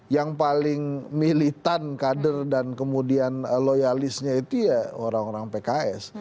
yang paling militan kader dan kemudian loyalisnya itu ya orang orang pks